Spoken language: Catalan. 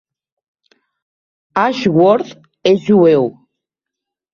Ashworth és jueu.